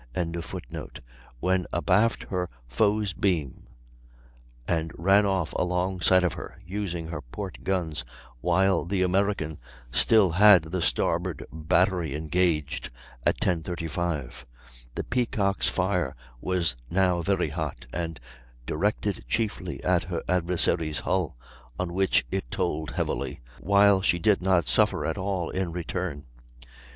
] when abaft her foe's beam, and ran off alongside of her (using her port guns, while the American still had the starboard battery engaged) at 10.35. The Peacock's fire was now very hot, and directed chiefly at her adversary's hull, on which it told heavily, while she did not suffer at all in return.